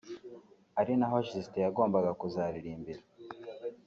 ari naho Justin yagombaga kuzaririmbira